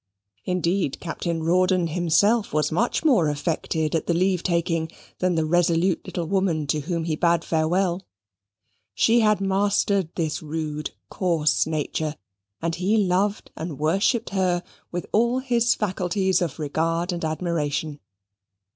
Indeed Captain Rawdon himself was much more affected at the leave taking than the resolute little woman to whom he bade farewell. She had mastered this rude coarse nature; and he loved and worshipped her with all his faculties of regard and admiration.